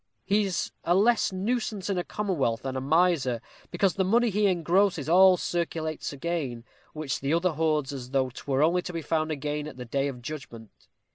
He is a less nuisance in a commonwealth than a miser, because the money he engrosses all circulates again, which the other hoards as though 'twere only to be found again at the day of judgment.